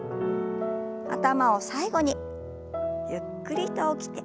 頭を最後にゆっくりと起きて。